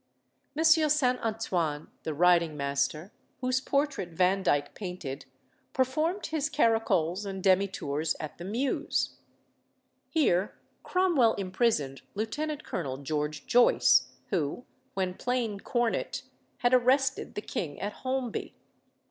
M. St. Antoine, the riding master, whose portrait Vandyke painted, performed his caracoles and demi tours at the Mews. Here Cromwell imprisoned Lieut. Colonel George Joyce, who, when plain cornet, had arrested the king at Holmby.